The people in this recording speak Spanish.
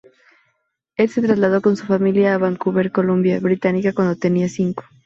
Él se trasladó con su familia a a Vancouver, Columbia Británica cuando tenía cinco.